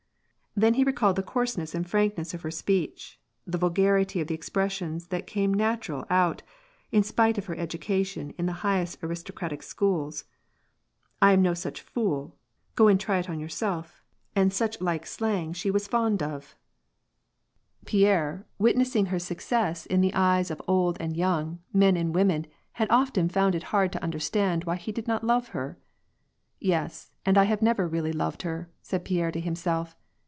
Then, he recalled the coarseness and frantness of her thoughts, the vulgarity of the expressions that came natural to her, in spite of her education in the highest aristocratic circles. " I am no such fool," " Go and try it on yourself," " Allez vous j)rome7ier/' and such like slang she was fond of using. WAR AND PEACE. 29 Pierre, witnessing her success in the eyes of old and young, men and women, had often found it hard to understand why he did not love her. " Yes, and I have never really loved her," said Pierre to himself.